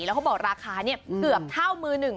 แล้วเขาบอกราคาเนี่ยเกือบเท่ามือหนึ่ง